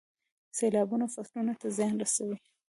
سیلابونه فصلونو ته زیان رسوي.